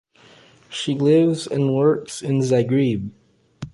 She lives and works in Zagreb.